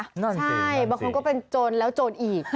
ใช่บางคนก็เป็นโจรแล้วโจรอีก